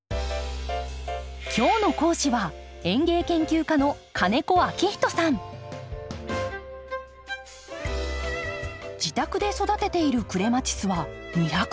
今日の講師は自宅で育てているクレマチスは２５０種！